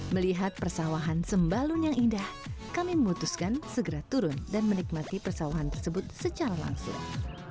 melihat persawahan sembalun yang indah kami memutuskan segera turun dan menikmati persawahan tersebut secara langsung